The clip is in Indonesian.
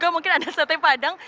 mungkin ada makanan khas ferti juga